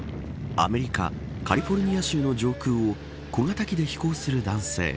アメリカカリフォルニア州の上空を小型機で飛行する男性。